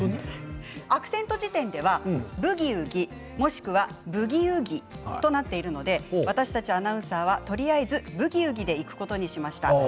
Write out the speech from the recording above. アクセント辞典ではブギウギもしくはブギウギ頭高、平板となっているので私たちアナウンサーは頭高でいくことになりました。